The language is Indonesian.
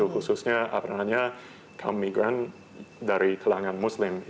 khususnya kaum migran dari kelangan muslim